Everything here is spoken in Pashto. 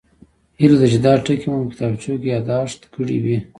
هیله ده چې دا ټکي مو په کتابچو کې یادداشت کړي وي